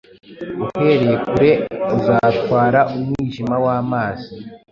Uhereye kure uzatwara umwijima wamazi